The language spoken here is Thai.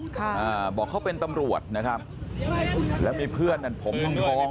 ครับบอกเขาเป็นตำรวจและมีเพื่อนผมฮืมทอง